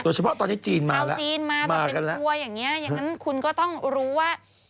โดยเฉพาะตอนนี้จีนมาแล้วมากันแล้วอย่างนี้อย่างนั้นคุณก็ต้องรู้ว่า